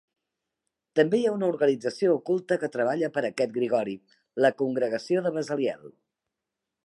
També hi ha una organització oculta que treballa per a aquest Grigori: la Congregació de Bezaliel.